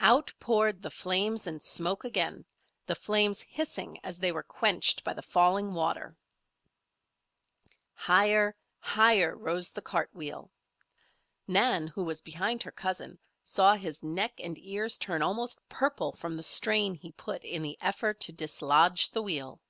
Out poured the flames and smoke again, the flames hissing as they were quenched by the falling water. Higher, higher rose the cart wheel. Nan, who was behind her cousin, saw his neck and ears turn almost purple from the strain he put in the effort to dislodge the wheel.